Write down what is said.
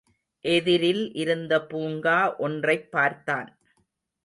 எதிரில் இருந்த பூங்கா ஒன்றைப் பார்த்தான்.